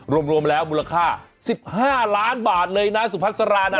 รวมแล้วมูลค่า๑๕ล้านบาทเลยนะสุพัสรานะ